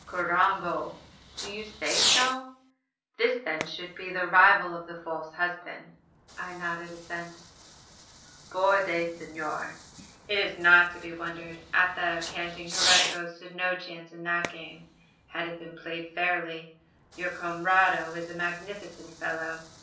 "Carrambo! Do you say so? This then should be the rival of the false husband?" I nodded assent. "Por Dios, Senor; it is not to be wondered at that the canting heretico stood no chance in that game had it been played fairly. Your camarado is a magnificent fellow.